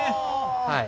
はい。